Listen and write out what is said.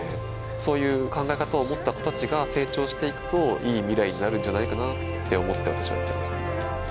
そういう考え方を持った子たちが成長して行くといいミライになるんじゃないかなって思って私はやってます。